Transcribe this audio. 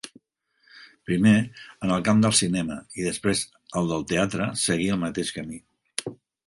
Primer, en el camp del cinema; i després el del teatre seguí el mateix camí.